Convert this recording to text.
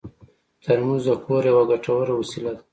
ترموز د کور یوه ګټوره وسیله ده.